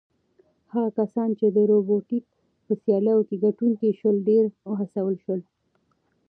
هغه کسان چې د روبوټیک په سیالیو کې ګټونکي شول ډېر وهڅول شول.